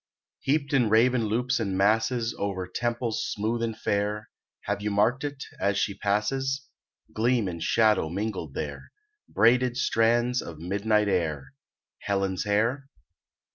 Heaped in raven loops and masses Over temples smooth and fair, Have you marked it, as she passes, Gleam and shadow mingled there, Braided strands of midnight air, Helen's hair?